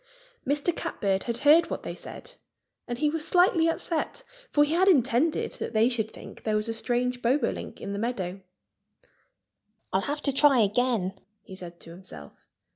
Mr. Catbird had heard what they said. And he was slightly upset, for he had intended that they should think there was a strange Bobolink in the meadow. "I'll have to try again," he said to himself.